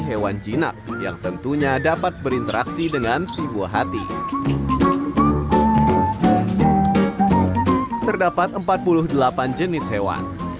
hewan jinak yang tentunya dapat berinteraksi dengan si buah hati terdapat empat puluh delapan jenis hewan